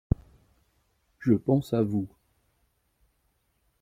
Je pense à vous.